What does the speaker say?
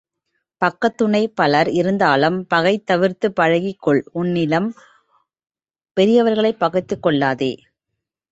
பக்கத்துணை பலர் இருந்தாலும் பகை தவிர்த்துப் பழகிக்கொள் உன்னிலும் பெரியவர்களைப் பகைத்துக் கொள்ளாதே.